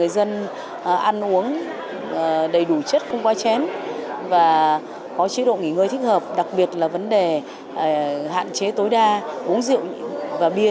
đầy đủ chất không qua chén và có chữ độ nghỉ ngơi thích hợp đặc biệt là vấn đề hạn chế tối đa uống rượu và bia